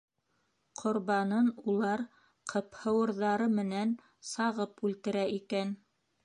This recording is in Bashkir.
Ҡорбанын улар ҡыпһыуырҙары менән сағып үлтерә икән.